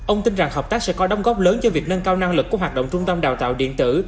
ông tin rằng hợp tác sẽ có đóng góp lớn cho việc nâng cao năng lực của hoạt động trung tâm đào tạo điện tử